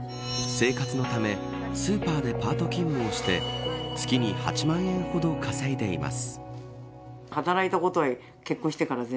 生活のため、スーパーでパート勤務をして月に８万円ほど稼いでいます。